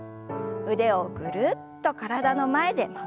腕をぐるっと体の前で回しましょう。